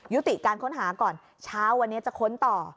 ยุติการค้นหาก่อนเช้าวันนี้จะค้นต่อ